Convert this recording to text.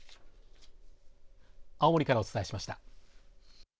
青森からお伝えしました。